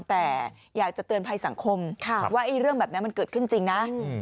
แต่อยากจะเตือนภัยสังคมว่าเรื่องแบบนี้มันเกิดขึ้นจริงนะ